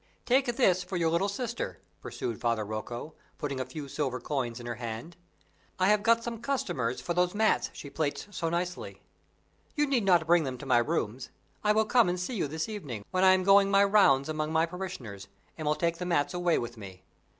"Take this for your little sister," pursued Father Rocco, putting a few silver coins in her hand; "I have got some customers for those mats she plaits so nicely. You need not bring them to my rooms; I will come and see you this evening, when I am going my rounds among my parishioners, and will take the mats away with me.